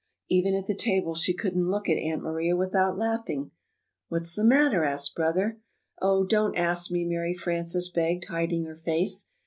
Even at the table she couldn't look at Aunt Maria without laughing. "What's the matter?" asked Brother. "Oh, don't ask me!" Mary Frances begged, hiding her face.